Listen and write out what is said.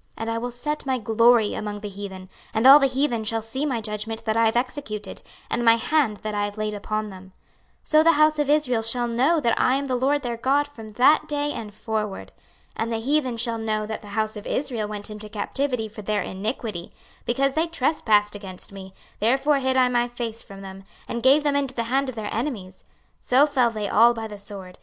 26:039:021 And I will set my glory among the heathen, and all the heathen shall see my judgment that I have executed, and my hand that I have laid upon them. 26:039:022 So the house of Israel shall know that I am the LORD their God from that day and forward. 26:039:023 And the heathen shall know that the house of Israel went into captivity for their iniquity: because they trespassed against me, therefore hid I my face from them, and gave them into the hand of their enemies: so fell they all by the sword.